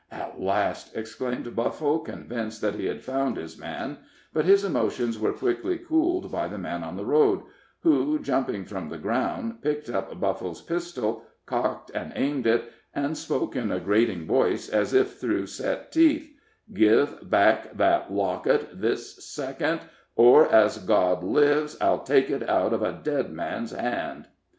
"At last!" exclaimed Buffle, convinced that he had found his man; but his emotions were quickly cooled by the man in the road, who, jumping from the ground, picked up Buffle's pistol, cocked and aimed it, and spoke in a grating voice, as if through set teeth: "Give back that locket this second, or, as God lives, I'll take it out of a dead man's hand."